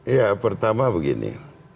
ya pertama begini